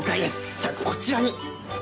じゃあこちらに。